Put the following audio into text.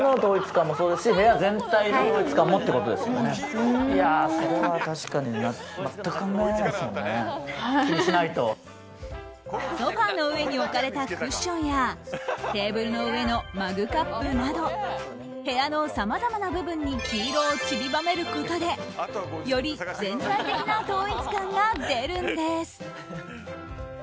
ソファの上に置かれたクッションやテーブルの上のマグカップなど部屋のさまざまな部分に黄色を散りばめることでより全体的な統一感が出るんです。